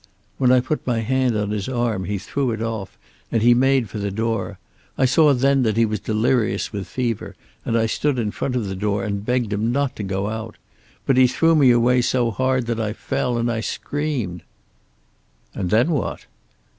When I put my hand on his arm he threw it off, and he made for the door. I saw then that he was delirious with fever, and I stood in front of the door and begged him not to go out. But he threw me away so hard that that I fell, and I screamed." "And then what?"